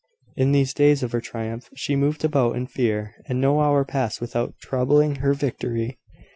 In these days of her triumph she moved about in fear; and no hour passed without troubling her victory.